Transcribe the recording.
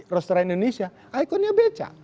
restoran indonesia ikonnya becak